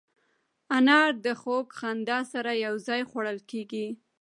انار د خوږ خندا سره یو ځای خوړل کېږي.